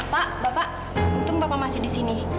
pak bapak untung bapak masih di sini